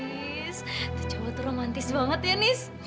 nis itu cowok tuh romantis banget ya nis